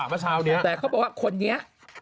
เมื่อเช้านี้แต่เขาบอกว่าคนนี้